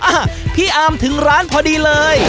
อ่ะพี่อาร์มถึงร้านพอดีเลย